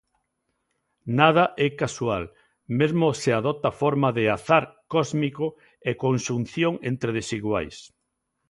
Nada é casual, mesmo se adopta forma de azar cósmico e conxunción entre desiguais.